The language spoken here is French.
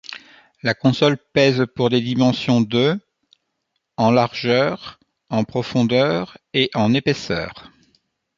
La console pèse pour des dimensions de en largeur, en profondeur et en épaisseur.